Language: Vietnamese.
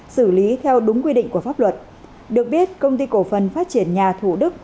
xử lý theo đúng quy định của pháp luật được biết công ty cổ phần phát triển nhà thủ đức